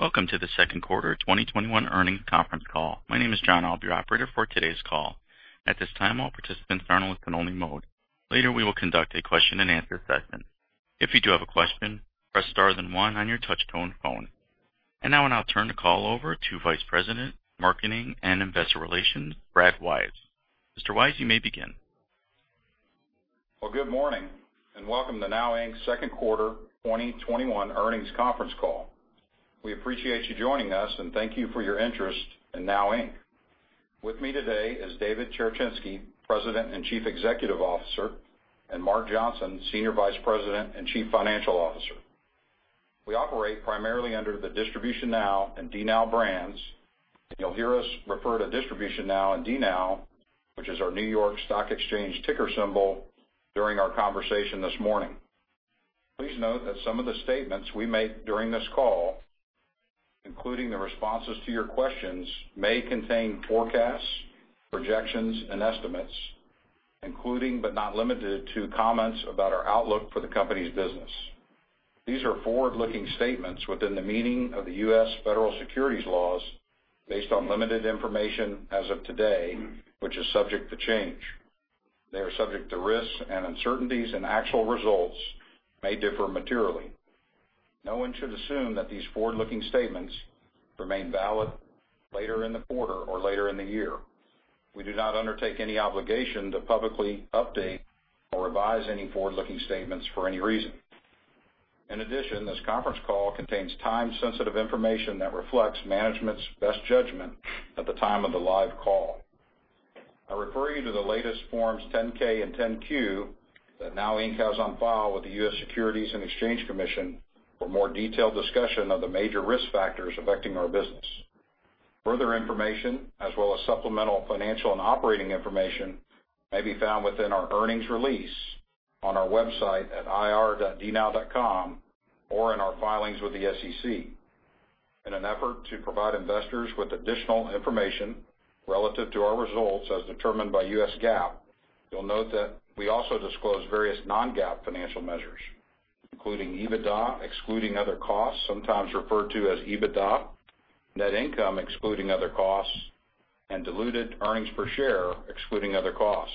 Welcome to the 2Q 2021 earnings conference call. My name is John. I'll be your operator for today's call. At this time, all participants are in listen only mode. Later, we will conduct a question and answer session. If you do have a question, press star then one on your touchtone phone. Now I'll turn the call over to Vice President, Marketing and Investor Relations, Brad Wise. Mr. Wise, you may begin. Well, good morning, welcome to NOW Inc.'s 2Q 2021 earnings conference call. We appreciate you joining us, thank you for your interest in NOW Inc. With me today is David Cherechinsky, President and Chief Executive Officer, and Mark Johnson, Senior Vice President and Chief Financial Officer. We operate primarily under the DistributionNOW and DNOW brands, you'll hear us refer to DistributionNOW and DNOW, which is our New York Stock Exchange ticker symbol, during our conversation this morning. Please note that some of the statements we make during this call, including the responses to your questions, may contain forecasts, projections, and estimates, including but not limited to comments about our outlook for the company's business. These are forward-looking statements within the meaning of the U.S. federal securities laws based on limited information as of today, which is subject to change. They are subject to risks and uncertainties, and actual results may differ materially. No one should assume that these forward-looking statements remain valid later in the quarter or later in the year. We do not undertake any obligation to publicly update or revise any forward-looking statements for any reason. In addition, this conference call contains time-sensitive information that reflects management's best judgment at the time of the live call. I refer you to the latest Forms 10-K and 10-Q that NOW Inc. has on file with the U.S. Securities and Exchange Commission for more detailed discussion of the major risk factors affecting our business. Further information, as well as supplemental financial and operating information, may be found within our earnings release on our website at ir.dnow.com or in our filings with the SEC. In an effort to provide investors with additional information relative to our results as determined by US GAAP, you'll note that we also disclose various non-GAAP financial measures, including EBITDA excluding other costs, sometimes referred to as EBITDA, net income excluding other costs, and diluted earnings per share excluding other costs.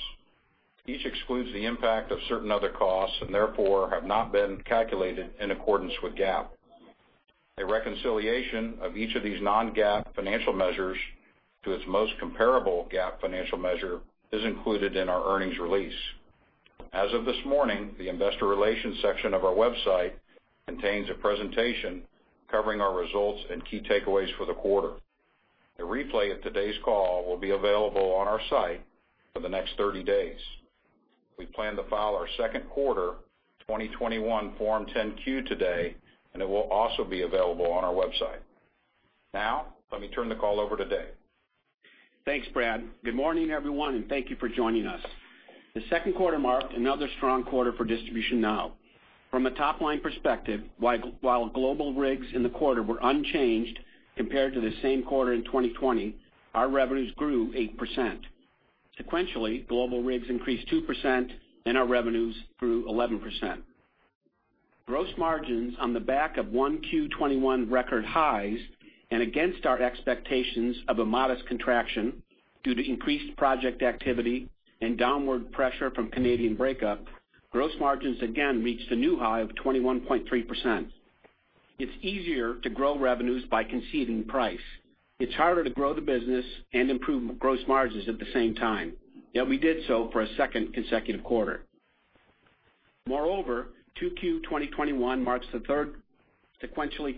Each excludes the impact of certain other costs, and therefore have not been calculated in accordance with GAAP. A reconciliation of each of these non-GAAP financial measures to its most comparable GAAP financial measure is included in our earnings release. As of this morning, the investor relations section of our website contains a presentation covering our results and key takeaways for the quarter. A replay of today's call will be available on our site for the next 30 days. We plan to file our second quarter 2021 Form 10-Q today, and it will also be available on our website. Now, let me turn the call over to Dave. Thanks, Brad. Good morning, everyone, and thank you for joining us. The second quarter marked another strong quarter for DistributionNOW. From a top-line perspective, while global rigs in the quarter were unchanged compared to the same quarter in 2020, our revenues grew 8%. Sequentially, global rigs increased 2% and our revenues grew 11%. Gross margins on the back of 1Q21 record highs and against our expectations of a modest contraction due to increased project activity and downward pressure from Canadian breakup, gross margins again reached a new high of 21.3%. It's easier to grow revenues by conceding price. It's harder to grow the business and improve gross margins at the same time, yet we did so for a second consecutive quarter. Moreover, 2Q 2021 marks the third sequential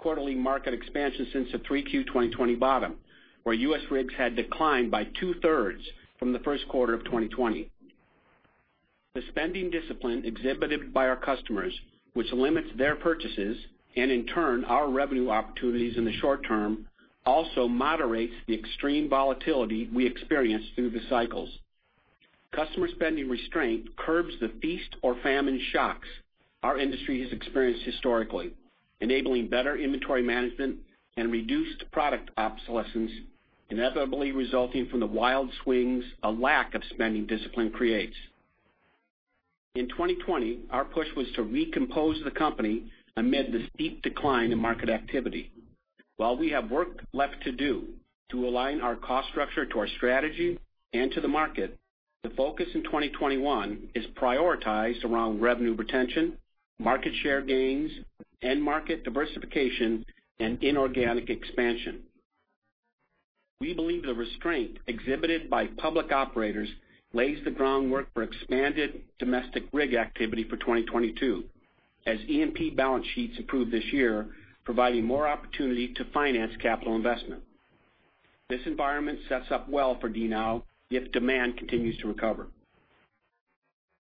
quarterly market expansion since the 3Q 2020 bottom, where U.S. rigs had declined by two-thirds from the first quarter of 2020. The spending discipline exhibited by our customers, which limits their purchases and in turn our revenue opportunities in the short term, also moderates the extreme volatility we experience through the cycles. Customer spending restraint curbs the feast or famine shocks our industry has experienced historically, enabling better inventory management and reduced product obsolescence, inevitably resulting from the wild swings a lack of spending discipline creates. In 2020, our push was to recompose the company amid the steep decline in market activity. While we have work left to do to align our cost structure to our strategy and to the market, the focus in 2021 is prioritized around revenue retention, market share gains, end market diversification, and inorganic expansion. We believe the restraint exhibited by public operators lays the groundwork for expanded domestic rig activity for 2022, as E&P balance sheets improve this year, providing more opportunity to finance capital investment. This environment sets up well for DNOW if demand continues to recover.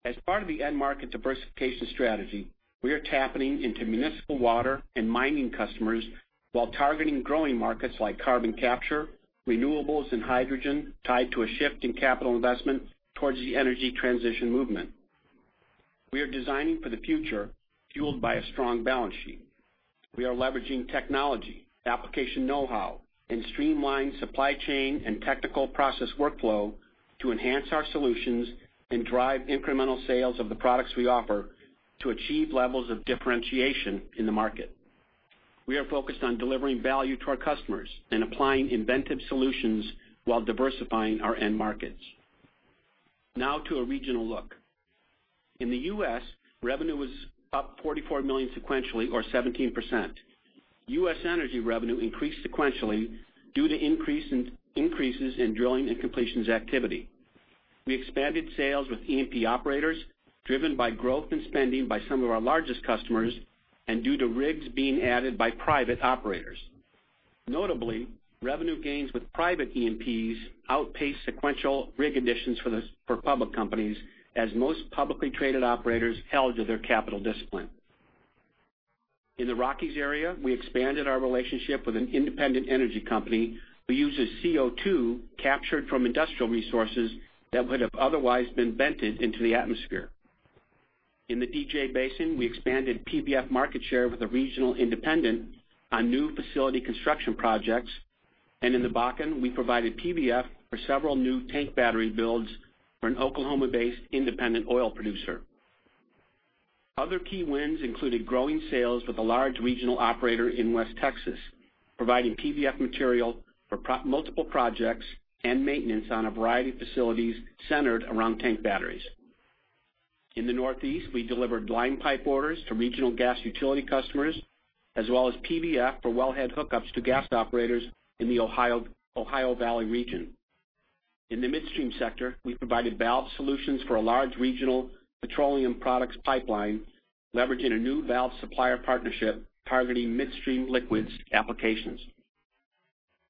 As part of the end market diversification strategy, we are tapping into municipal water and mining customers while targeting growing markets like carbon capture, renewables, and hydrogen tied to a shift in capital investment towards the energy transition movement. We are designing for the future, fueled by a strong balance sheet. We are leveraging technology, application know-how, and streamlined supply chain and technical process workflow to enhance our solutions and drive incremental sales of the products we offer to achieve levels of differentiation in the market. We are focused on delivering value to our customers and applying inventive solutions while diversifying our end markets. Now to a regional look. In the U.S., revenue was up $44 million sequentially, or 17%. U.S. energy revenue increased sequentially due to increases in drilling and completions activity. We expanded sales with E&P operators, driven by growth in spending by some of our largest customers, and due to rigs being added by private operators. Notably, revenue gains with private E&Ps outpaced sequential rig additions for public companies, as most publicly traded operators held to their capital discipline. In the Rockies area, we expanded our relationship with an independent energy company who uses CO2 captured from industrial resources that would have otherwise been vented into the atmosphere. In the DJ Basin, we expanded PVF market share with a regional independent on new facility construction projects, and in the Bakken, we provided PVF for several new tank battery builds for an Oklahoma-based independent oil producer. Other key wins included growing sales with a large regional operator in West Texas, providing PVF material for multiple projects and maintenance on a variety of facilities centered around tank batteries. In the Northeast, we delivered line pipe orders to regional gas utility customers, as well as PVF for wellhead hookups to gas operators in the Ohio Valley region. In the midstream sector, we provided valve solutions for a large regional petroleum products pipeline, leveraging a new valve supplier partnership targeting midstream liquids applications.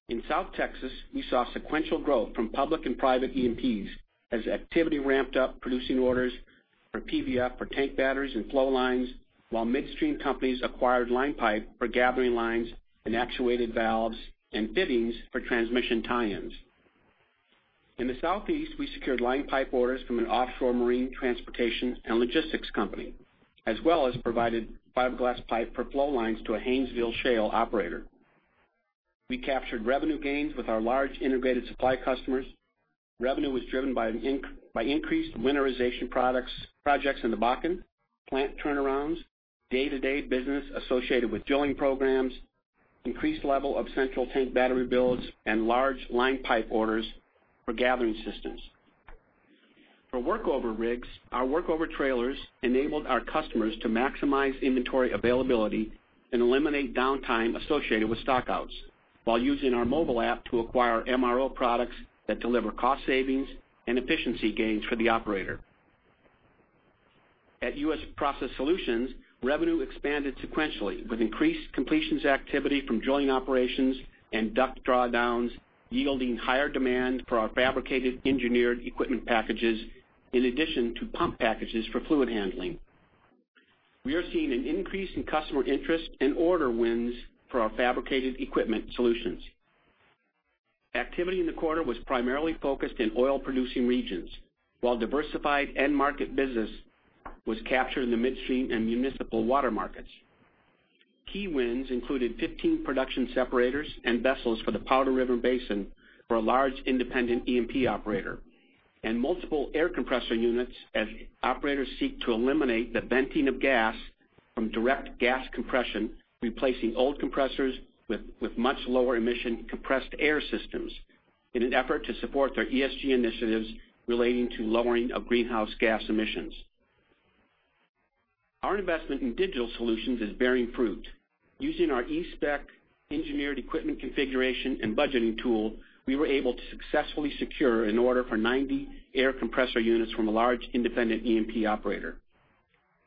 In South Texas, we saw sequential growth from public and private E&Ps as activity ramped up producing orders for PVF for tank batteries and flow lines, while midstream companies acquired line pipe for gathering lines and actuated valves and fittings for transmission tie-ins. In the Southeast, we secured line pipe orders from an offshore marine transportation and logistics company, as well as provided fiberglass pipe for flow lines to a Haynesville shale operator. We captured revenue gains with our large integrated supply customers. Revenue was driven by increased winterization projects in the Bakken, plant turnarounds, day-to-day business associated with drilling programs, increased level of central tank battery builds, and large line pipe orders for gathering systems. For workover rigs, our workover trailers enabled our customers to maximize inventory availability and eliminate downtime associated with stock-outs, while using our mobile app to acquire MRO products that deliver cost savings and efficiency gains for the operator. At U.S. Process Solutions, revenue expanded sequentially with increased completions activity from drilling operations and DUC drawdowns, yielding higher demand for our fabricated engineered equipment packages, in addition to pump packages for fluid handling. We are seeing an increase in customer interest and order wins for our fabricated equipment solutions. Activity in the quarter was primarily focused in oil-producing regions, while diversified end market business was captured in the midstream and municipal water markets. Key wins included 15 production separators and vessels for the Powder River Basin for a large independent E&P operator, and multiple air compressor units as operators seek to eliminate the venting of gas from direct gas compression, replacing old compressors with much lower emission compressed air systems in an effort to support their ESG initiatives relating to lowering of greenhouse gas emissions. Our investment in digital solutions is bearing fruit. Using our eSpec engineered equipment configuration and budgeting tool, we were able to successfully secure an order for 90 air compressor units from a large independent E&P operator.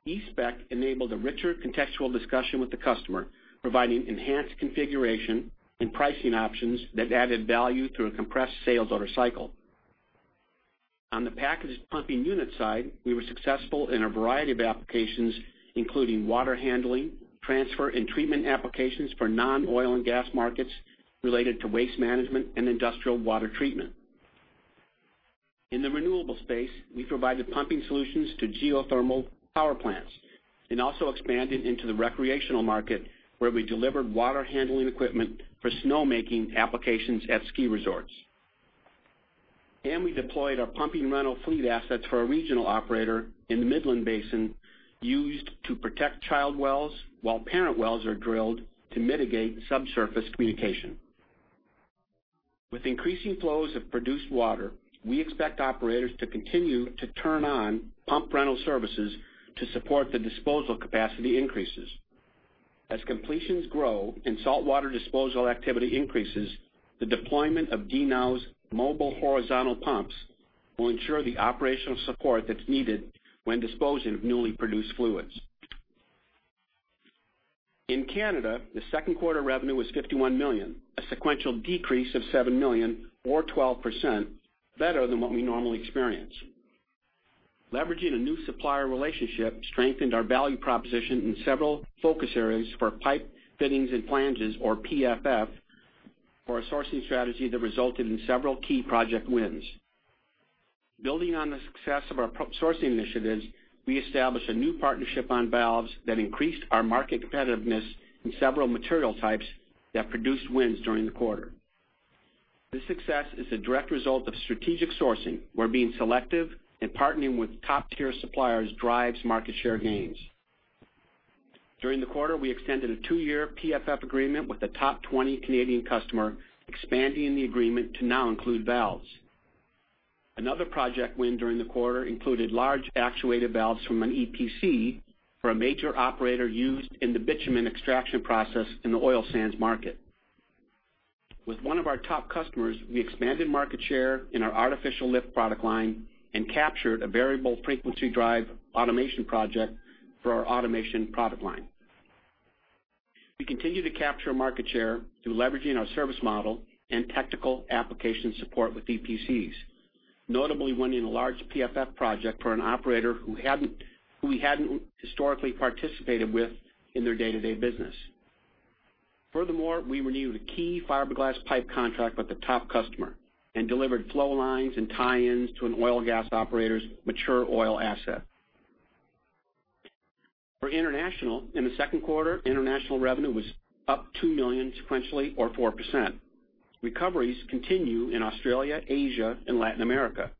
eSpec enabled a richer contextual discussion with the customer, providing enhanced configuration and pricing options that added value through a compressed sales order cycle. On the packaged pumping unit side, we were successful in a variety of applications, including water handling, transfer, and treatment applications for non-oil and gas markets related to waste management and industrial water treatment. In the renewable space, we provided pumping solutions to geothermal power plants and also expanded into the recreational market, where we delivered water handling equipment for snowmaking applications at ski resorts. We deployed our pumping rental fleet assets for a regional operator in the Midland Basin used to protect child wells while parent wells are drilled to mitigate subsurface communication. With increasing flows of produced water, we expect operators to continue to turn on pump rental services to support the disposal capacity increases. As completions grow and saltwater disposal activity increases, the deployment of DNOW's mobile horizontal pumps will ensure the operational support that's needed when disposing of newly produced fluids. In Canada, the second quarter revenue was $51 million, a sequential decrease of $7 million, or 12% better than what we normally experience. Leveraging a new supplier relationship strengthened our value proposition in several focus areas for pipe, fittings, and flanges, or PFF, for a sourcing strategy that resulted in several key project wins. Building on the success of our sourcing initiatives, we established a new partnership on valves that increased our market competitiveness in several material types that produced wins during the quarter. This success is a direct result of strategic sourcing, where being selective and partnering with top-tier suppliers drives market share gains. During the quarter, we extended a two-year PFF agreement with a top 20 Canadian customer, expanding the agreement to now include valves. Another project win during the quarter included large actuated valves from an EPC for a major operator used in the bitumen extraction process in the oil sands market. With one of our top customers, we expanded market share in our artificial lift product line and captured a variable frequency drive automation project for our automation product line. We continue to capture market share through leveraging our service model and technical application support with EPCs, notably winning a large PFF project for an operator who we hadn't historically participated with in their day-to-day business. We renewed a key fiberglass pipe contract with a top customer and delivered flow lines and tie-ins to an oil and gas operator's mature oil asset. For international, in the second quarter, international revenue was up $2 million sequentially or 4%. Recoveries continue in Australia, Asia, and Latin America.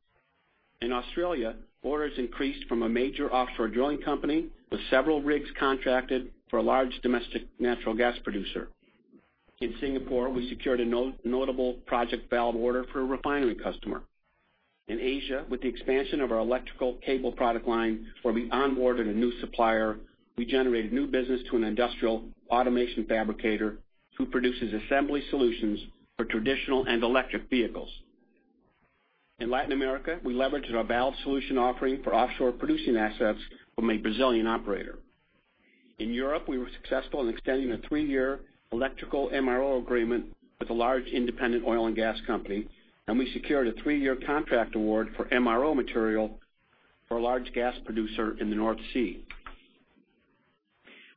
In Australia, orders increased from a major offshore drilling company with several rigs contracted for a large domestic natural gas producer. In Singapore, we secured a notable project valve order for a refinery customer. In Asia, with the expansion of our electrical cable product line where we onboarded a new supplier, we generated new business to an industrial automation fabricator who produces assembly solutions for traditional and electric vehicles. In Latin America, we leveraged our valve solution offering for offshore producing assets from a Brazilian operator. In Europe, we were successful in extending a three year electrical MRO agreement with a large independent oil and gas company, and we secured a three year contract award for MRO material for a large gas producer in the North Sea.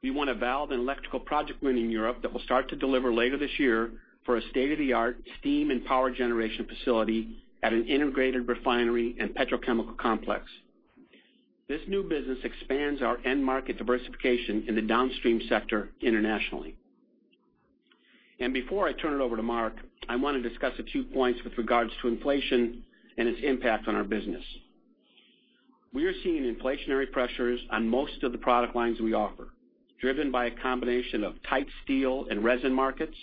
We won a valve and electrical project win in Europe that we'll start to deliver later this year for a state-of-the-art steam and power generation facility at an integrated refinery and petrochemical complex. This new business expands our end market diversification in the downstream sector internationally. Before I turn it over to Mark, I want to discuss a few points with regards to inflation and its impact on our business. We are seeing inflationary pressures on most of the product lines we offer, driven by a combination of tight steel and resin markets,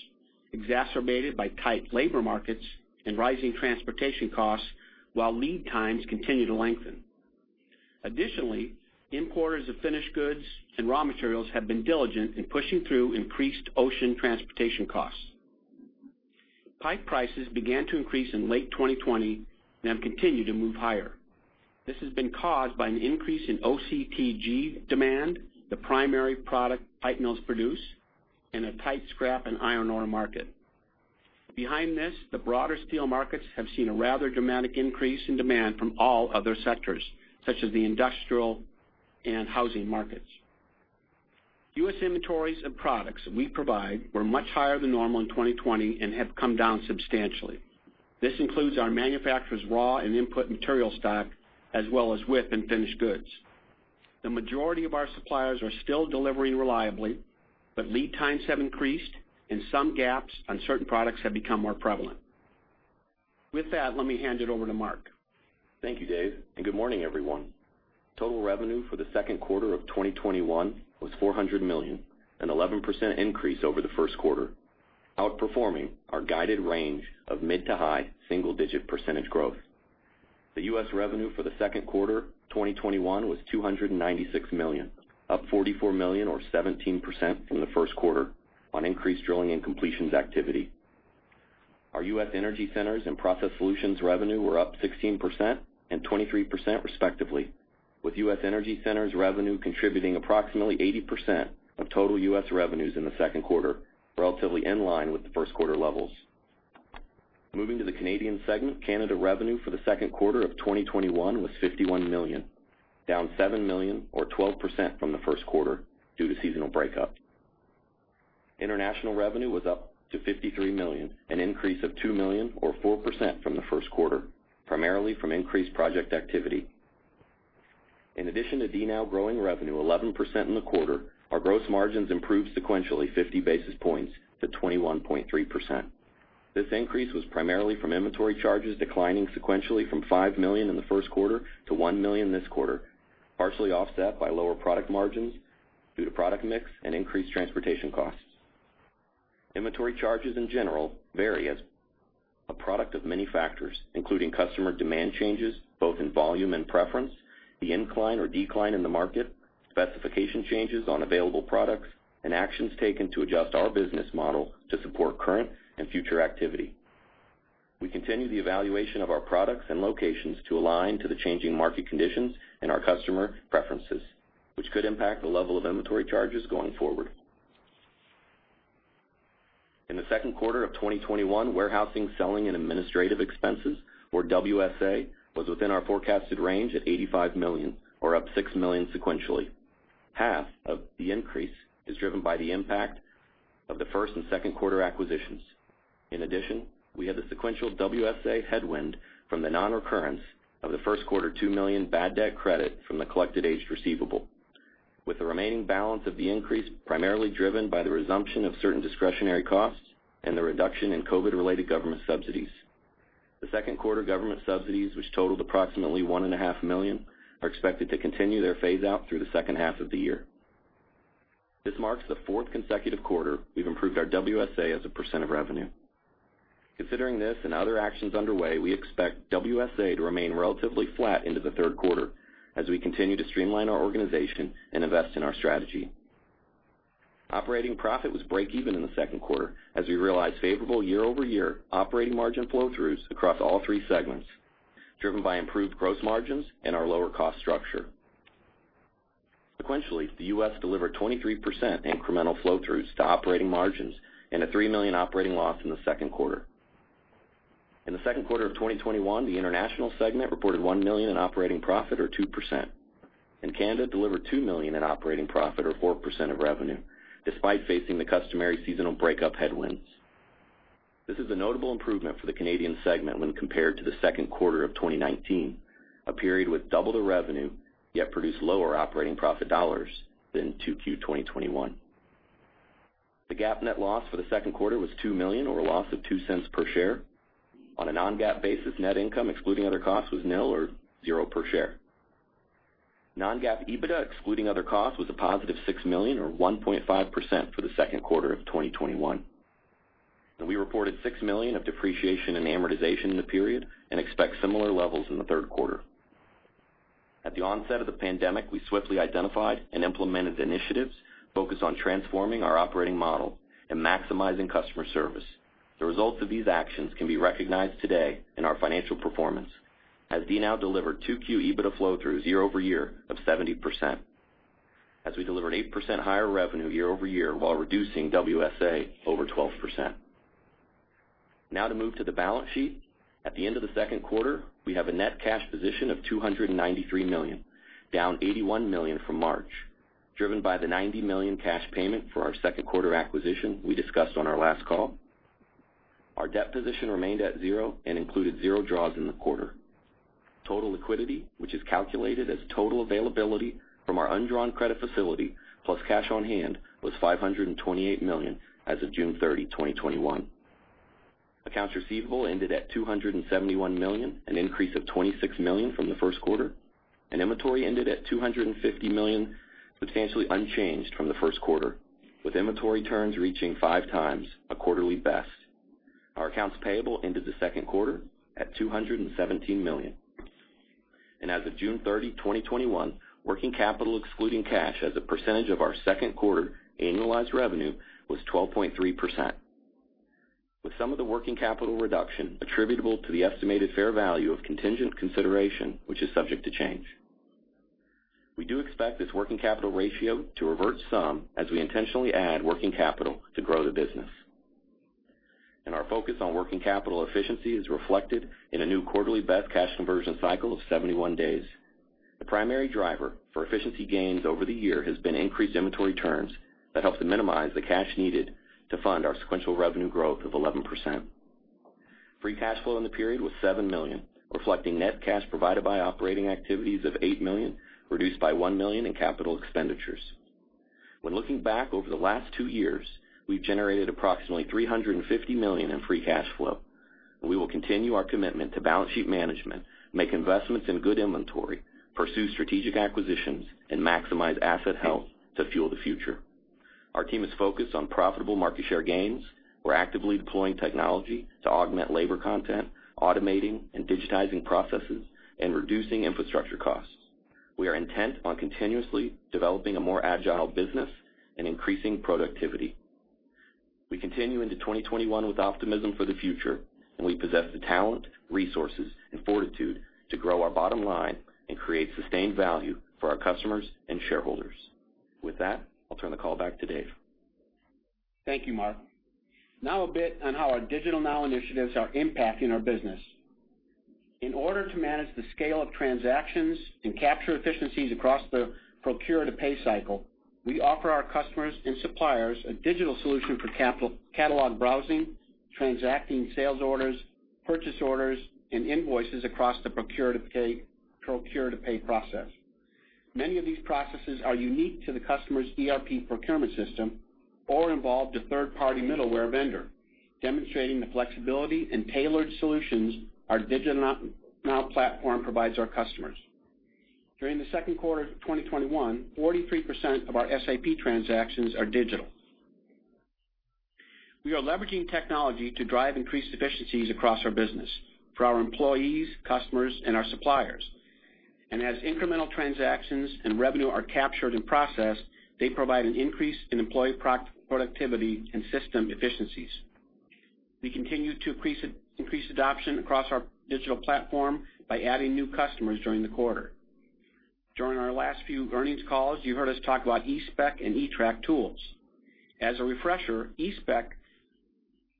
exacerbated by tight labor markets and rising transportation costs while lead times continue to lengthen. Additionally, importers of finished goods and raw materials have been diligent in pushing through increased ocean transportation costs. Pipe prices began to increase in late 2020 and have continued to move higher. This has been caused by an increase in OCTG demand, the primary product pipe mills produce, and a tight scrap and iron ore market. Behind this, the broader steel markets have seen a rather dramatic increase in demand from all other sectors, such as the industrial and housing markets. U.S. inventories of products we provide were much higher than normal in 2020 and have come down substantially. This includes our manufacturer's raw and input material stock, as well as WIP and finished goods. The majority of our suppliers are still delivering reliably, but lead times have increased, and some gaps on certain products have become more prevalent. With that, let me hand it over to Mark. Thank you, Dave, and good morning, everyone. Total revenue for the second quarter of 2021 was $400 million, an 11% increase over the first quarter, outperforming our guided range of mid to high single-digit percentage growth. The U.S. revenue for the second quarter 2021 was $296 million, up $44 million or 17% from the first quarter on increased drilling and completions activity. Our U.S. energy centers and Process Solutions revenue were up 16% and 23% respectively, with U.S. energy centers revenue contributing approximately 80% of total U.S. revenues in the second quarter, relatively in line with the first quarter levels. Moving to the Canadian segment, Canada revenue for the second quarter of 2021 was $51 million, down $7 million or 12% from the first quarter due to seasonal breakup. International revenue was up to $53 million, an increase of $2 million or 4% from the first quarter, primarily from increased project activity. In addition to DNOW growing revenue 11% in the quarter, our gross margins improved sequentially 50 basis points to 21.3%. This increase was primarily from inventory charges declining sequentially from $5 million in the first quarter to $1 million this quarter, partially offset by lower product margins due to product mix and increased transportation costs. Inventory charges in general vary as a product of many factors, including customer demand changes both in volume and preference, the incline or decline in the market, specification changes on available products, actions taken to adjust our business model to support current and future activity. We continue the evaluation of our products and locations to align to the changing market conditions and our customer preferences, which could impact the level of inventory charges going forward. In the second quarter of 2021, warehousing, selling, and administrative expenses, or WS&A, was within our forecasted range at $85 million or up $6 million sequentially. Half of the increase is driven by the impact of the first and second quarter acquisitions. In addition, we had a sequential WS&A headwind from the non-recurrence of the first quarter $2 million bad debt credit from the collected aged receivable. With the remaining balance of the increase primarily driven by the resumption of certain discretionary costs and the reduction in COVID-related government subsidies. The second quarter government subsidies, which totaled approximately $1.5 million, are expected to continue their phase out through the second half of the year. This marks the fourth consecutive quarter we've improved our WS&A as a percent of revenue. Considering this and other actions underway, we expect WS&A to remain relatively flat into the third quarter as we continue to streamline our organization and invest in our strategy. Operating profit was breakeven in the second quarter as we realized favorable year-over-year operating margin flow-throughs across all three segments, driven by improved gross margins and our lower cost structure. Sequentially, the U.S. delivered 23% incremental flow-throughs to operating margins and a $3 million operating loss in the second quarter. In the second quarter of 2021, the international segment reported $1 million in operating profit, or 2%, and Canada delivered $2 million in operating profit, or 4% of revenue, despite facing the customary seasonal breakup headwinds. This is a notable improvement for the Canadian segment when compared to the second quarter of 2019, a period with double the revenue, yet produced lower operating profit dollars than 2Q 2021. The GAAP net loss for the second quarter was $2 million, or a loss of $0.02 per share. On a non-GAAP basis, net income excluding other costs was nil or zero per share. Non-GAAP EBITDA, excluding other costs, was a positive $6 million or 1.5% for the second quarter of 2021. We reported $6 million of depreciation and amortization in the period and expect similar levels in the third quarter. At the onset of the pandemic, we swiftly identified and implemented initiatives focused on transforming our operating model and maximizing customer service. The results of these actions can be recognized today in our financial performance as DNOW delivered 2Q EBITDA flow-throughs year-over-year of 70%, as we delivered 8% higher revenue year-over-year while reducing WS&A over 12%. To move to the balance sheet. At the end of the second quarter, we have a net cash position of $293 million, down $81 million from March, driven by the $90 million cash payment for our second quarter acquisition we discussed on our last call. Our debt position remained at 0 and included 0 draws in the quarter. Total liquidity, which is calculated as total availability from our undrawn credit facility plus cash on hand, was $528 million as of June 30, 2021. Accounts receivable ended at $271 million, an increase of $26 million from the first quarter, inventory ended at $250 million, substantially unchanged from the first quarter, with inventory turns reaching 5 times a quarterly best. Our accounts payable ended the second quarter at $217 million. As of June 30, 2021, working capital excluding cash as a percentage of our second quarter annualized revenue was 12.3%, with some of the working capital reduction attributable to the estimated fair value of contingent consideration, which is subject to change. We do expect this working capital ratio to revert some as we intentionally add working capital to grow the business. Our focus on working capital efficiency is reflected in a new quarterly best cash conversion cycle of 71 days. The primary driver for efficiency gains over the year has been increased inventory turns that help to minimize the cash needed to fund our sequential revenue growth of 11%. Free cash flow in the period was $7 million, reflecting net cash provided by operating activities of $8 million, reduced by $1 million in capital expenditures. When looking back over the last two years, we've generated approximately $350 million in free cash flow. We will continue our commitment to balance sheet management, make investments in good inventory, pursue strategic acquisitions, and maximize asset health to fuel the future. Our team is focused on profitable market share gains. We're actively deploying technology to augment labor content, automating and digitizing processes, and reducing infrastructure costs. We are intent on continuously developing a more agile business and increasing productivity. We continue into 2021 with optimism for the future, and we possess the talent, resources, and fortitude to grow our bottom line and create sustained value for our customers and shareholders. With that, I'll turn the call back to Dave. Thank you, Mark. Now a bit on how our DigitalNOW initiatives are impacting our business. In order to manage the scale of transactions and capture efficiencies across the procure-to-pay cycle, we offer our customers and suppliers a digital solution for catalog browsing, transacting sales orders, purchase orders, and invoices across the procure-to-pay process. Many of these processes are unique to the customer's ERP procurement system or involve the third-party middleware vendor, demonstrating the flexibility and tailored solutions our DigitalNOW platform provides our customers. During the second quarter of 2021, 43% of our SAP transactions are digital. We are leveraging technology to drive increased efficiencies across our business for our employees, customers, and our suppliers. As incremental transactions and revenue are captured and processed, they provide an increase in employee productivity and system efficiencies. We continue to increase adoption across our digital platform by adding new customers during the quarter. During our last few earnings calls, you heard us talk about eSpec and eTrack tools. As a refresher, eSpec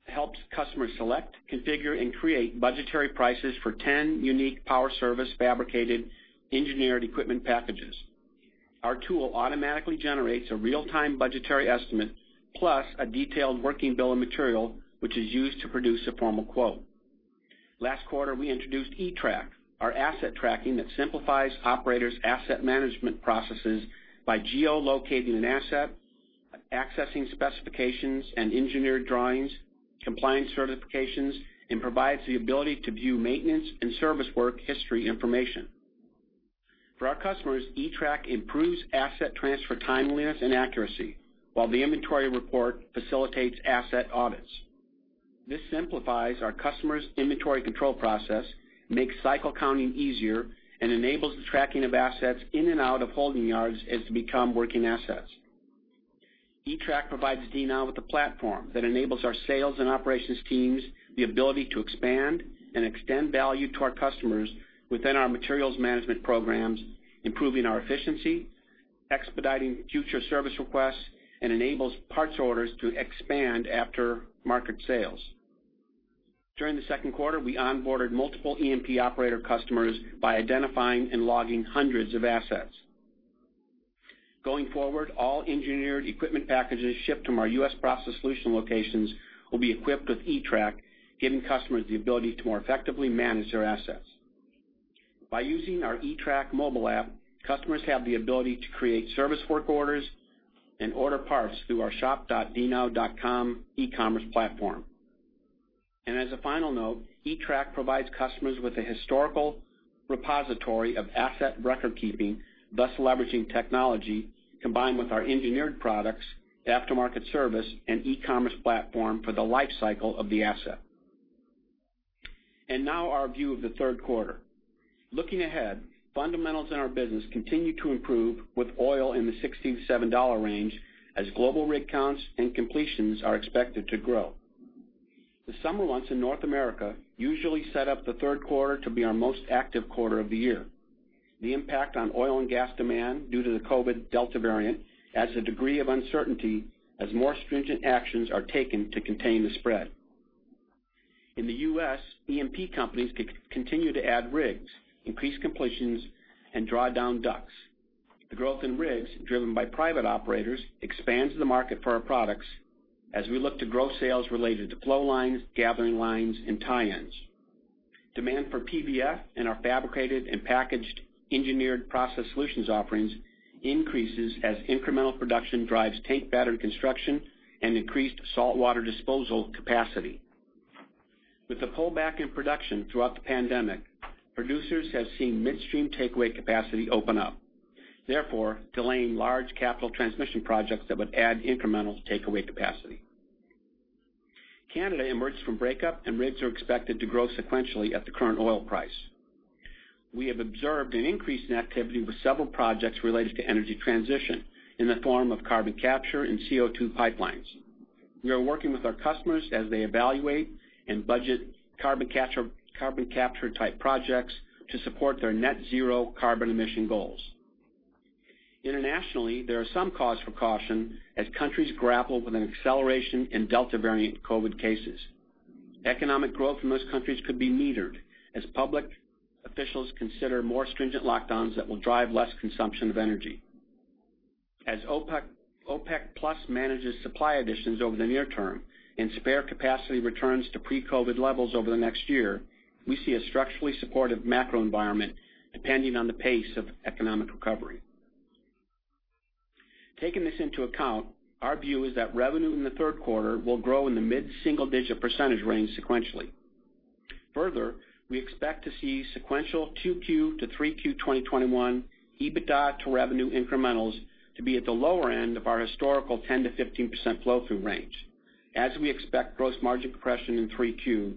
helps customers select, configure, and create budgetary prices for 10 unique Power Service fabricated engineered equipment packages. Our tool automatically generates a real-time budgetary estimate, plus a detailed working bill of material, which is used to produce a formal quote. Last quarter, we introduced eTrack, our asset tracking that simplifies operators' asset management processes by geo-locating an asset, accessing specifications and engineered drawings, compliance certifications, and provides the ability to view maintenance and service work history information. For our customers, eTrack improves asset transfer timeliness and accuracy, while the inventory report facilitates asset audits. This simplifies our customers' inventory control process, makes cycle counting easier, and enables the tracking of assets in and out of holding yards as they become working assets. eTrack provides DNOW with a platform that enables our sales and operations teams the ability to expand and extend value to our customers within our materials management programs, improving our efficiency, expediting future service requests, and enables parts orders to expand after market sales. During the second quarter, we onboarded multiple E&P operator customers by identifying and logging hundreds of assets. Going forward, all engineered equipment packages shipped from our U.S. Process Solutions locations will be equipped with eTrack, giving customers the ability to more effectively manage their assets. By using our eTrack mobile app, customers have the ability to create service work orders and order parts through our shop.dnow.com e-commerce platform. As a final note, eTrack provides customers with a historical repository of asset record-keeping, thus leveraging technology combined with our engineered products, aftermarket service, and e-commerce platform for the life cycle of the asset. Now our view of the third quarter. Looking ahead, fundamentals in our business continue to improve with oil in the $67 range as global rig counts and completions are expected to grow. The summer months in North America usually set up the third quarter to be our most active quarter of the year. The impact on oil and gas demand due to the COVID Delta variant adds a degree of uncertainty as more stringent actions are taken to contain the spread. In the U.S., E&P companies could continue to add rigs, increase completions, and draw down DUCs. The growth in rigs, driven by private operators, expands the market for our products as we look to grow sales related to flow lines, gathering lines, and tie-ins. Demand for PVF and our fabricated and packaged engineered process solutions offerings increases as incremental production drives tank battery construction and increased saltwater disposal capacity. With the pullback in production throughout the pandemic, producers have seen midstream takeaway capacity open up, therefore delaying large capital transmission projects that would add incremental takeaway capacity. Canada emerged from breakup, and rigs are expected to grow sequentially at the current oil price. We have observed an increase in activity with several projects related to energy transition in the form of carbon capture and CO2 pipelines. We are working with our customers as they evaluate and budget carbon capture type projects to support their net zero carbon emission goals. Internationally, there are some cause for caution as countries grapple with an acceleration in Delta variant COVID cases. Economic growth in most countries could be metered as public officials consider more stringent lockdowns that will drive less consumption of energy. As OPEC+ manages supply additions over the near term and spare capacity returns to pre-COVID levels over the next year, we see a structurally supportive macro environment depending on the pace of economic recovery. Taking this into account, our view is that revenue in the third quarter will grow in the mid-single digit percentage range sequentially. Further, we expect to see sequential 2Q to 3Q 2021 EBITDA to revenue incrementals to be at the lower end of our historical 10%-15% flow-through range, as we expect gross margin compression in 3Q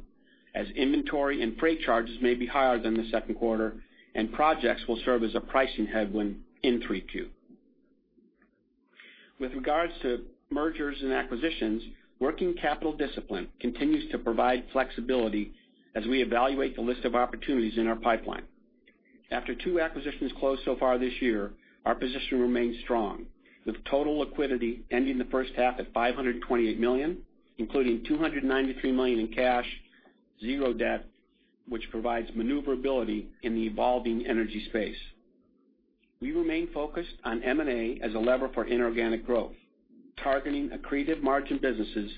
as inventory and freight charges may be higher than the second quarter and projects will serve as a pricing headwind in 3Q. With regards to mergers and acquisitions, working capital discipline continues to provide flexibility as we evaluate the list of opportunities in our pipeline. After two acquisitions closed so far this year, our position remains strong, with total liquidity ending the first half at $528 million, including $293 million in cash, zero debt, which provides maneuverability in the evolving energy space. We remain focused on M&A as a lever for inorganic growth, targeting accretive margin businesses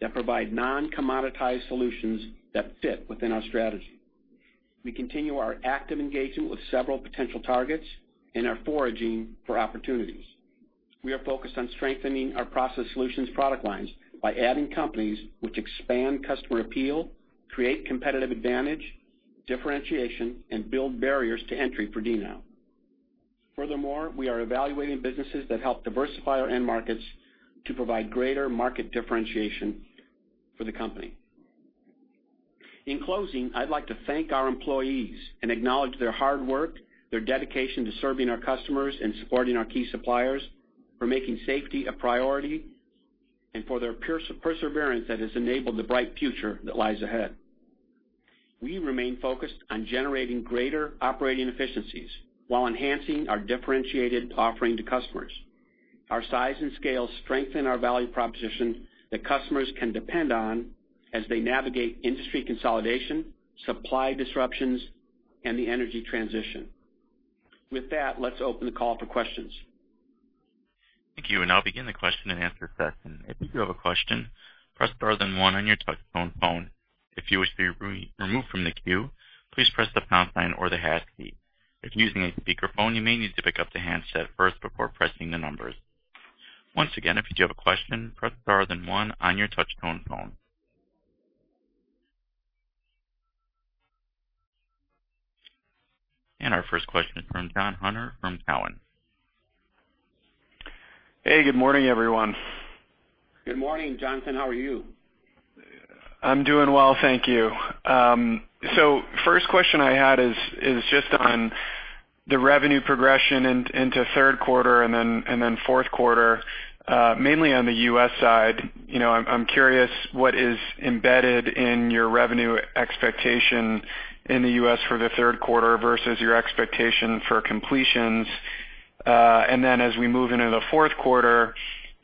that provide non-commoditized solutions that fit within our strategy. We continue our active engagement with several potential targets and are foraging for opportunities. We are focused on strengthening our Process Solutions product lines by adding companies which expand customer appeal, create competitive advantage, differentiation, and build barriers to entry for DNOW. Furthermore, we are evaluating businesses that help diversify our end markets to provide greater market differentiation for the company. In closing, I'd like to thank our employees and acknowledge their hard work, their dedication to serving our customers and supporting our key suppliers, for making safety a priority, and for their perseverance that has enabled the bright future that lies ahead. We remain focused on generating greater operating efficiencies while enhancing our differentiated offering to customers. Our size and scale strengthen our value proposition that customers can depend on as they navigate industry consolidation, supply disruptions, and the energy transition. With that, let's open the call for questions. Thank you. And now begin the question and answer session. If you have a question, press star then one on your touchtone phone. If you wish to be removed from the queue, please press the pound sign or the hash key. If you're using a speakerphone, you may need to pick up the handset first before pressing the numbers. Once again, if you do have a question, press star then one on your touchtone phone. And our first question is from Jon Hunter from Cowen. Hey, good morning, everyone. Good morning, Jon. How are you? I'm doing well. Thank you. First question I had is just on the revenue progression into third quarter and then fourth quarter, mainly on the U.S. side. I'm curious what is embedded in your revenue expectation in the U.S. for the third quarter versus your expectation for completions. As we move into the fourth quarter,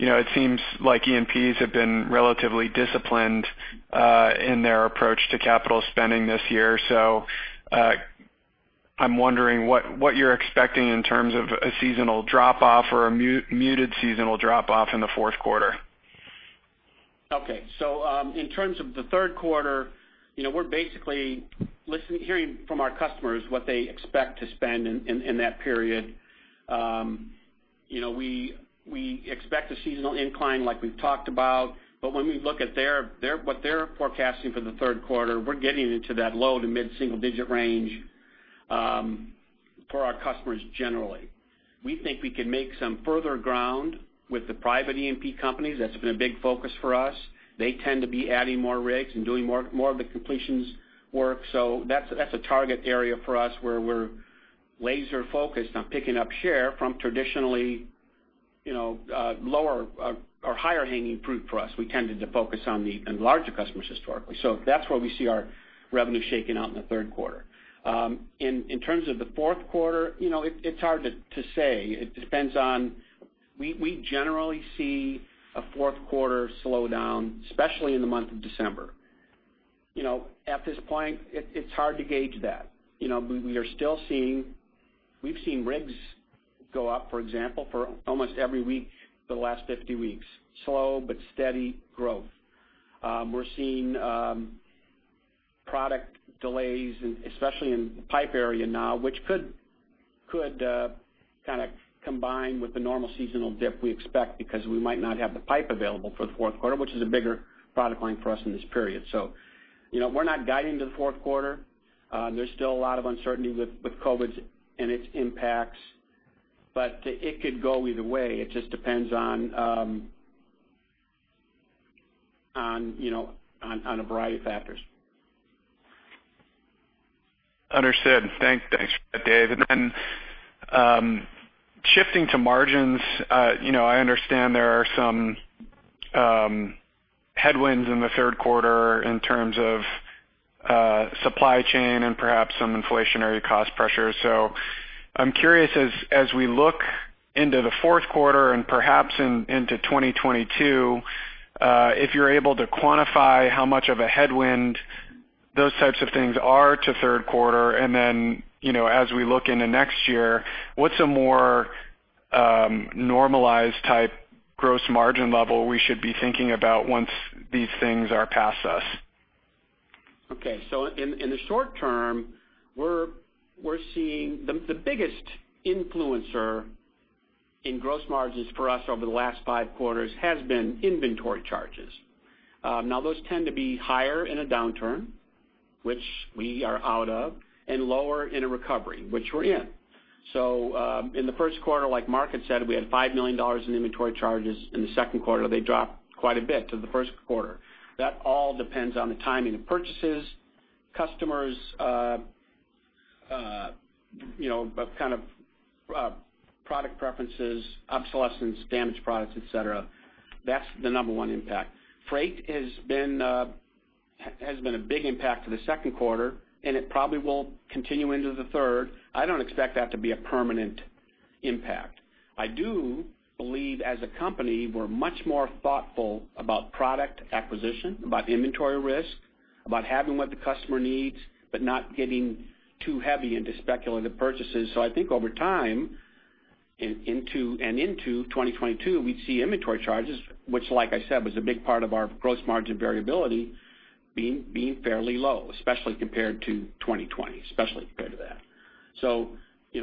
it seems like E&Ps have been relatively disciplined, in their approach to capital spending this year. I'm wondering what you're expecting in terms of a seasonal drop off or a muted seasonal drop off in the fourth quarter. Okay. In terms of the third quarter, we're basically hearing from our customers what they expect to spend in that period. We expect a seasonal incline, like we've talked about. When we look at what they're forecasting for the third quarter, we're getting into that low to mid-single digit range, for our customers generally. We think we can make some further ground with the private E&P companies. That's been a big focus for us. They tend to be adding more rigs and doing more of the completions work. That's a target area for us where we're laser focused on picking up share from traditionally higher hanging fruit for us. We tended to focus on the larger customers historically. That's where we see our revenue shaking out in the third quarter. In terms of the fourth quarter, it's hard to say. We generally see a fourth quarter slowdown, especially in the month of December. At this point, it's hard to gauge that. We've seen rigs go up, for example, for almost every week for the last 50 weeks. Slow but steady growth. We're seeing product delays, especially in the pipe area now, which could combine with the normal seasonal dip we expect because we might not have the pipe available for the fourth quarter, which is a bigger product line for us in this period. We're not guiding to the fourth quarter. There's still a lot of uncertainty with COVID and its impacts, but it could go either way. It just depends on a variety of factors. Understood. Thanks for that, Dave. Then, shifting to margins. I understand there are some headwinds in the third quarter in terms of supply chain and perhaps some inflationary cost pressures. I'm curious as we look into the fourth quarter and perhaps into 2022, if you're able to quantify how much of a headwind those types of things are to third quarter. Then, as we look into next year, what's a more normalized type gross margin level we should be thinking about once these things are past us? Okay. In the short term, the biggest influencer in gross margins for us over the last five quarters has been inventory charges. Those tend to be higher in a downturn, which we are out of, and lower in a recovery, which we're in. In the first quarter, like Mark had said, we had $5 million in inventory charges. In the second quarter, they dropped quite a bit to the first quarter. That all depends on the timing of purchases, customers' product preferences, obsolescence, damaged products, et cetera. That's the number one impact. Freight has been a big impact to the second quarter, and it probably will continue into the third. I don't expect that to be a permanent impact. I do believe as a company, we're much more thoughtful about product acquisition, about inventory risk, about having what the customer needs, but not getting too heavy into speculative purchases. I think over time and into 2022, we'd see inventory charges, which like I said, was a big part of our gross margin variability being fairly low, especially compared to 2020. Especially compared to that.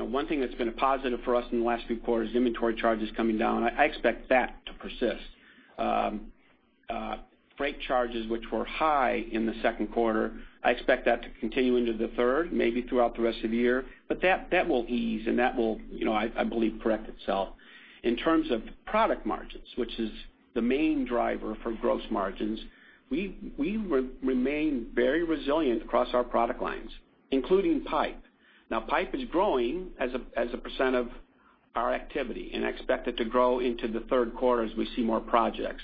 One thing that's been a positive for us in the last few quarters is inventory charges coming down. I expect that to persist. Freight charges, which were high in the second quarter, I expect that to continue into the third, maybe throughout the rest of the year, but that will ease and that will, I believe, correct itself. In terms of product margins, which is the main driver for gross margins, we remain very resilient across our product lines, including pipe. Now, pipe is growing as a % of our activity, and I expect it to grow into the third quarter as we see more projects.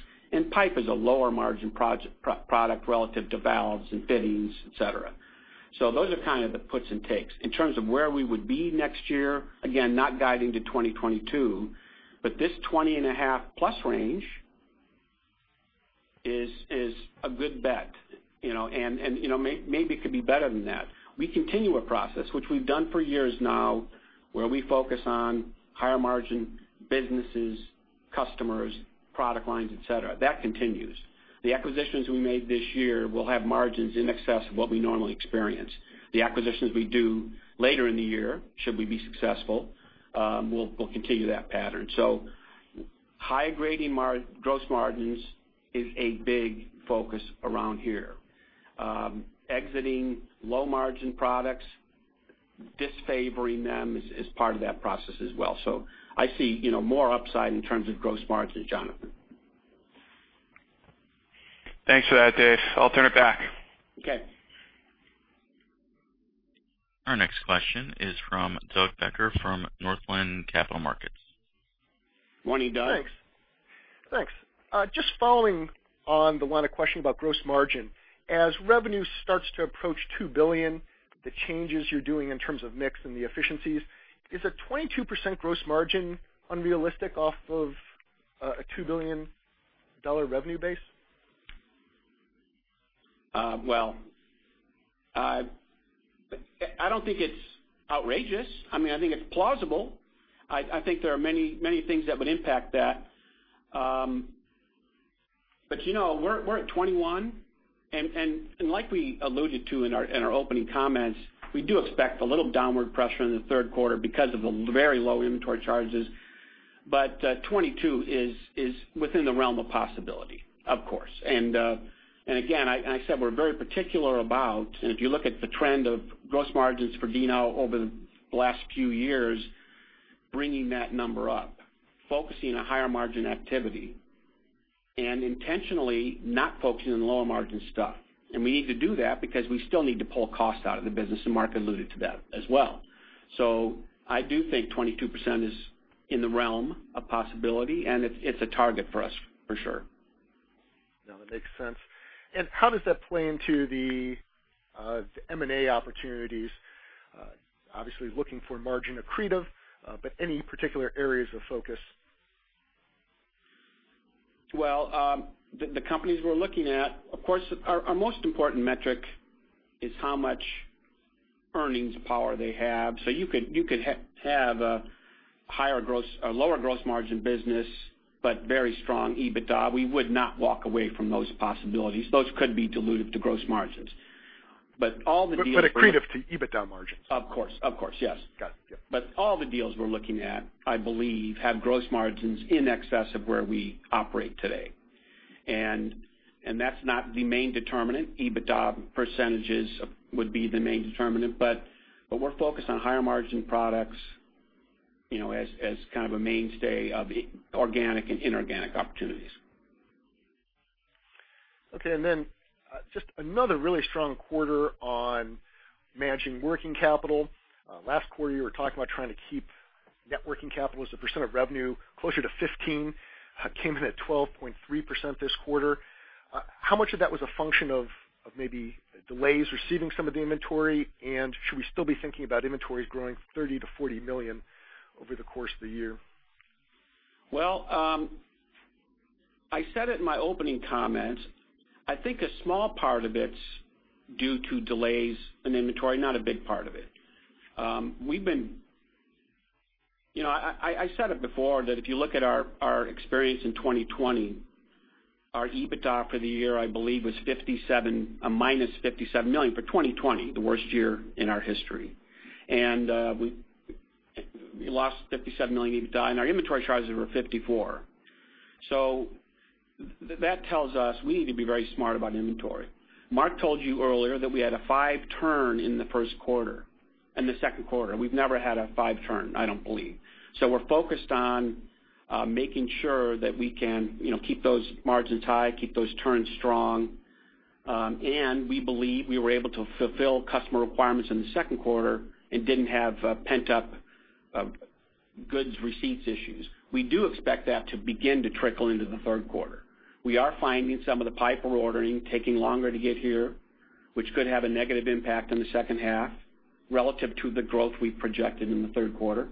Pipe is a lower margin product relative to valves and fittings, etc. Those are kind of the puts and takes. In terms of where we would be next year, again, not guiding to 2022, but this 20.5+ range is a good bet. Maybe it could be better than that. We continue a process, which we've done for years now, where we focus on higher margin businesses, customers, product lines, etc. That continues. The acquisitions we made this year will have margins in excess of what we normally experience. The acquisitions we do later in the year, should we be successful, will continue that pattern. High-grading gross margins is a big focus around here. Exiting low-margin products, disfavoring them is part of that process as well. I see more upside in terms of gross margins, Jonathan. Thanks for that, Dave. I'll turn it back. Okay. Our next question is from Doug Becker from Northland Capital Markets. Morning, Doug. Thanks. Just following on the line of question about gross margin. As revenue starts to approach $2 billion, the changes you're doing in terms of mix and the efficiencies, is a 22% gross margin unrealistic off of a $2 billion revenue base? Well, I don't think it's outrageous. I think it's plausible. I think there are many things that would impact that. We're at 21, and like we alluded to in our opening comments, we do expect a little downward pressure in the third quarter because of the very low inventory charges. 22 is within the realm of possibility, of course. Again, I said we're very particular about, and if you look at the trend of gross margins for DNOW over the last few years, bringing that number up. Focusing on higher margin activity, and intentionally not focusing on lower margin stuff. We need to do that because we still need to pull cost out of the business, and Mark alluded to that as well. I do think 22% is in the realm of possibility, and it's a target for us, for sure. No, that makes sense. How does that play into the M&A opportunities? Obviously, looking for margin accretive, but any particular areas of focus? Well, the companies we're looking at, of course, our most important metric is how much earnings power they have. You could have a lower gross margin business, but very strong EBITDA. We would not walk away from those possibilities. Those could be dilutive to gross margins. Accretive to EBITDA margins. Of course, yes. Got it. Yeah. All the deals we're looking at, I believe, have gross margins in excess of where we operate today. That's not the main determinant. EBITDA percentages would be the main determinant, but we're focused on higher margin products, as kind of a mainstay of organic and inorganic opportunities. Just another really strong quarter on managing working capital. Last quarter, you were talking about trying to keep net working capital as a percent of revenue closer to 15%. Came in at 12.3% this quarter. How much of that was a function of maybe delays receiving some of the inventory? Should we still be thinking about inventories growing $30 million-$40 million over the course of the year? Well, I said it in my opening comment. I think a small part of it's due to delays in inventory, not a big part of it. I said it before, that if you look at our experience in 2020, our EBITDA for the year, I believe, was a -$57 million for 2020, the worst year in our history. We lost $57 million in EBITDA, and our inventory charges were $54. That tells us we need to be very smart about inventory. Mark told you earlier that we had a five turn in the second quarter. We've never had a five turn, I don't believe. We're focused on making sure that we can keep those margins high, keep those turns strong. We believe we were able to fulfill customer requirements in the second quarter and didn't have pent-up goods receipts issues. We do expect that to begin to trickle into the third quarter. We are finding some of the pipe we're ordering taking longer to get here, which could have a negative impact on the second half relative to the growth we've projected in the third quarter.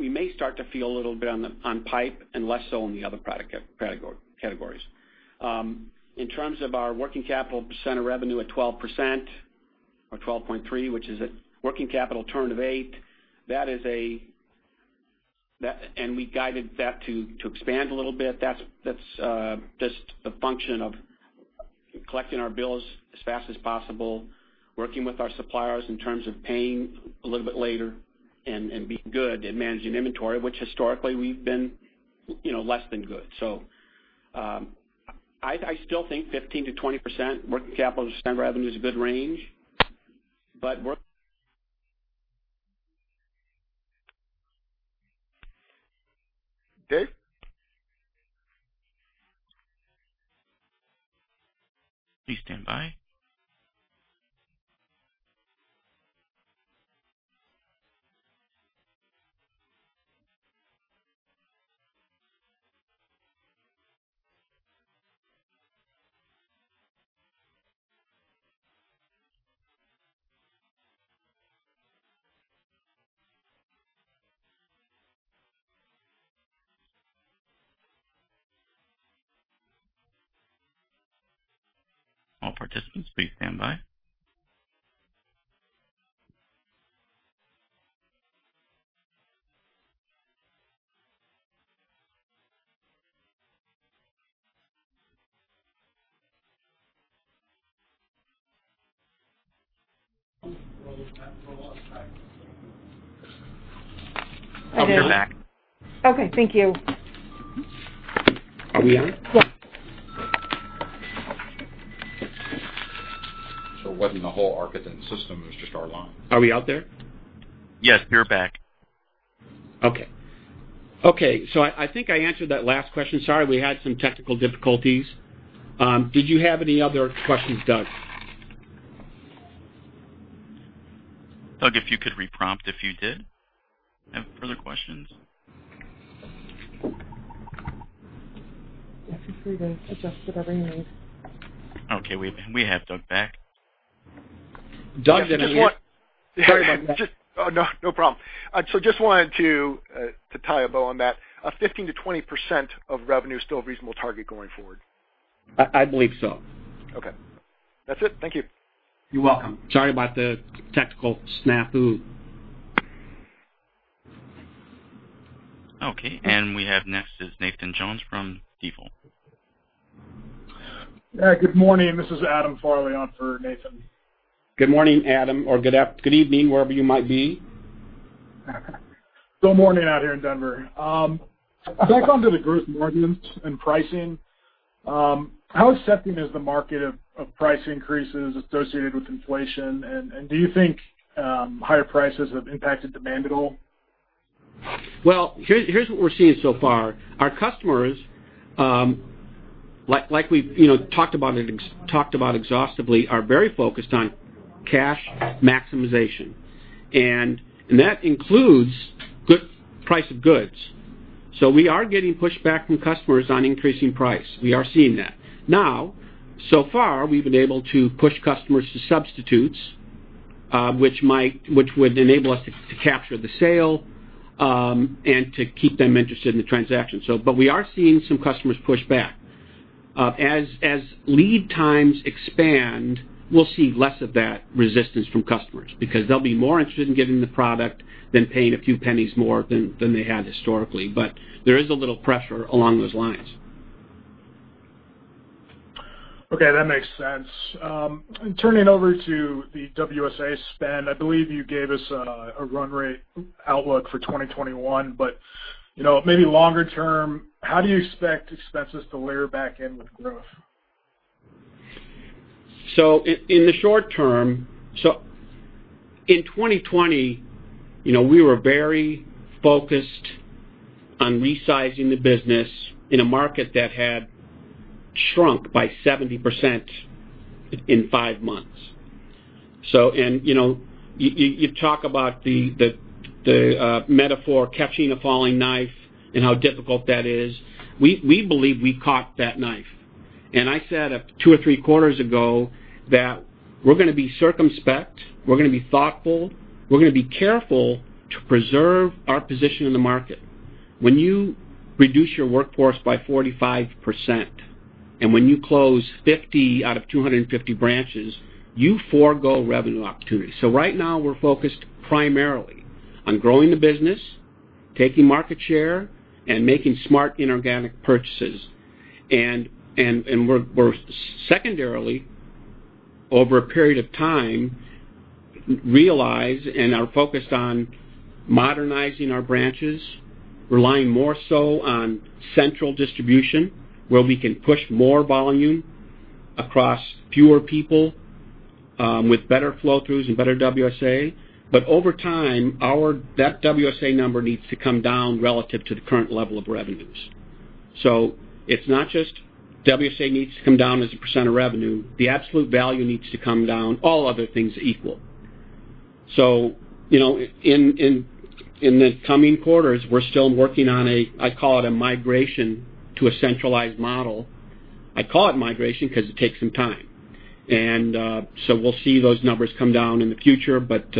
We may start to feel a little bit on pipe and less so on the other product categories. In terms of our working capital percent of revenue at 12%, or 12.3%, which is a working capital turn of eight, we guided that to expand a little bit. That's just the function of collecting our bills as fast as possible, working with our suppliers in terms of paying a little bit later and being good at managing inventory, which historically we've been less than good. I still think 15%-20% working capital as a percent of revenue is a good range. But work- Dave? You're back. Okay, thank you. Are we on? Yeah. It wasn't the whole Arkadin system, it was just our line. Are we out there? Yes, you're back. I think I answered that last question. Sorry, we had some technical difficulties. Did you have any other questions, Doug? Doug, if you could re-prompt if you did have further questions. Yeah, feel free to adjust whatever you need. Okay, we have Doug back. Doug did. Yes. Sorry about that. No problem. Just wanted to tie a bow on that. Is 15%-20% of revenue still a reasonable target going forward? I believe so. Okay. That's it. Thank you. You're welcome. Sorry about the technical snafu. Okay. We have next is Nathan Jones from Stifel. Yeah. Good morning. This is Adam Farley on for Nathan. Good morning, Adam, or good evening, wherever you might be. Still morning out here in Denver. Back onto the gross margins and pricing, how accepting is the market of price increases associated with inflation? Do you think higher prices have impacted demand at all? Well, here's what we're seeing so far. Our customers, like we've talked about exhaustively, are very focused on cash maximization. That includes price of goods. We are getting pushback from customers on increasing price. We are seeing that. Now, so far, we've been able to push customers to substitutes, which would enable us to capture the sale, and to keep them interested in the transaction. We are seeing some customers push back. As lead times expand, we'll see less of that resistance from customers, because they'll be more interested in getting the product than paying a few pennies more than they had historically. There is a little pressure along those lines. Okay, that makes sense. Turning over to the WS&A spend, I believe you gave us a run rate outlook for 2021, but maybe longer term, how do you expect expenses to layer back in with growth? In 2020, we were very focused on resizing the business in a market that had shrunk by 70% in five months. You talk about the metaphor, catching a falling knife, and how difficult that is. We believe we caught that knife. I said two or three quarters ago that we're going to be circumspect, we're going to be thoughtful, we're going to be careful to preserve our position in the market. When you reduce your workforce by 45%, and when you close 50 out of 250 branches, you forgo revenue opportunities. Right now, we're focused primarily on growing the business, taking market share, and making smart inorganic purchases. We are secondarily, over a period of time, realize and are focused on modernizing our branches, relying more so on central distribution, where we can push more volume across fewer people, with better flow-throughs and better WS&A. Over time, that WSA number needs to come down relative to the current level of revenues. It is not just WSA needs to come down as a percent of revenue. The absolute value needs to come down, all other things equal. In the coming quarters, we are still working on a, I call it a migration to a centralized model. I call it migration because it takes some time. We will see those numbers come down in the future, but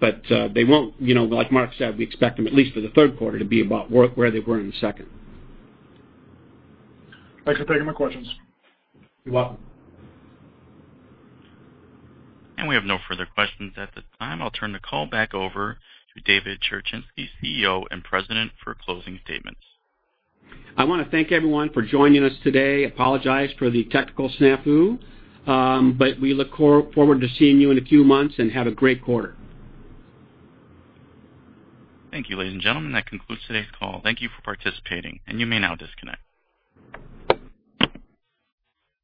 like Mark said, we expect them, at least for the third quarter, to be about where they were in the second. Thanks for taking my questions. You're welcome. We have no further questions at the time. I'll turn the call back over to David Cherechinsky's CEO and President for closing statements. I want to thank everyone for joining us today. Apologize for the technical snafu. We look forward to seeing you in a few months, and have a great quarter. Thank you, ladies and gentlemen. That concludes today's call. Thank you for participating, and you may now disconnect.